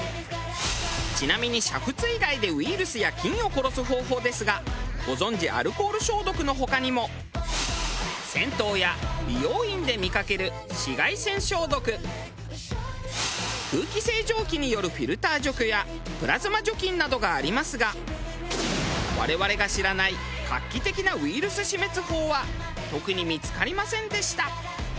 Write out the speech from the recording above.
ちなみに煮沸以外でウイルスや菌を殺す方法ですがご存じアルコール消毒の他にも銭湯や美容院で見かける紫外線消毒空気清浄機によるフィルター除去やプラズマ除菌などがありますが我々が知らない画期的なウイルス死滅法は特に見付かりませんでした。